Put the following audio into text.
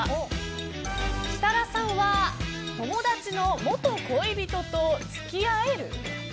設楽さんは友達の元恋人と付き合える？